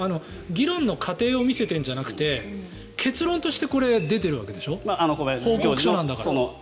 議論の過程を見せてるんじゃなくて結論としてこれが出ているわけでしょ？